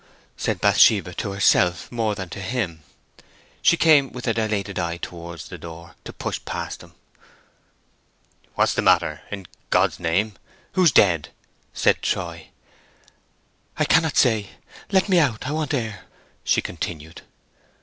said Bathsheba, to herself more than to him. She came with a dilated eye towards the door, to push past him. "What's the matter, in God's name? who's dead?" said Troy. "I cannot say; let me go out. I want air!" she continued.